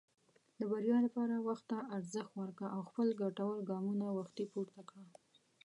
د بریا لپاره وخت ته ارزښت ورکړه، او خپل ګټور ګامونه وختي پورته کړه.